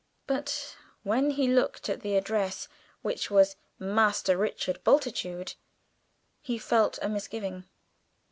But when he looked at the address, which was "Master Richard Bultitude," he felt a misgiving.